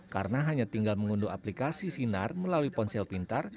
karena hanya tinggal mengunduh aplikasi sinar melalui ponsel pintar